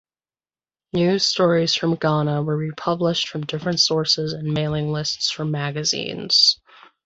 News stories from Ghana were republished from different sources and mailing lists from magazines.